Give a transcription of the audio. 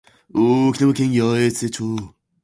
沖縄県八重瀬町